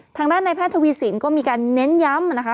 ทางด้านในแพทย์ทวีสินก็มีการเน้นย้ำนะคะ